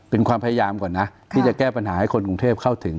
เป็นความพยายามก่อนนะที่จะแก้ปัญหาให้คนกรุงเทพเข้าถึง